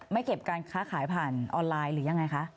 เก็บการค้าขายผ่านออนไลน์หรือยังไงคะ